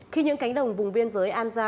khi những cánh đồng vùng biên giới an giang